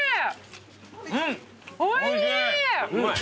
おいしい！